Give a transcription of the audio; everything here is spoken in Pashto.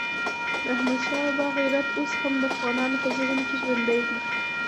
د احمدشاه بابا غیرت اوس هم د افغانانو په ذهن کې ژوندی دی.